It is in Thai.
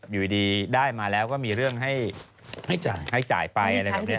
อยู่ดีได้มาแล้วก็มีเรื่องให้จ่ายไป